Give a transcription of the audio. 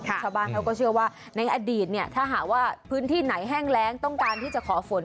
ชาวบ้านเขาก็เชื่อว่าในอดีตเนี่ยถ้าหากว่าพื้นที่ไหนแห้งแรงต้องการที่จะขอฝน